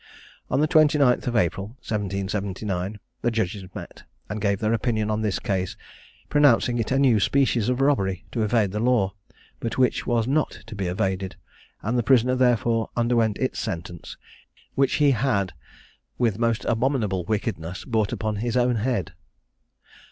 On the 29th of April, 1779, the judges met, and gave their opinion on this case, pronouncing it a new species of robbery to evade the law, but which was not to be evaded; and the prisoner therefore underwent its sentence, which he had, with most abominable wickedness, brought upon his own head.